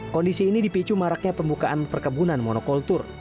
kondisi ini dipicu maraknya pembukaan perkebunan monokultur